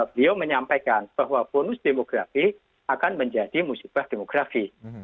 beliau menyampaikan bahwa bonus demografi akan menjadi musibah demografi